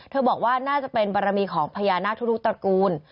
บอกว่าน่าจะเป็นบารมีของพญานาคทุรุตระกูล